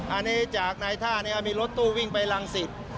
อันนี้จากนายท่านี้มีรถตู้วิ่งไปรังสิต